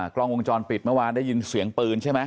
กล้องวงจรปิดเมื่อวานได้ยินเสียงปืนใช่ไหม